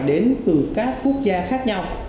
đến từ các quốc gia khác nhau